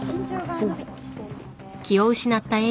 すいません。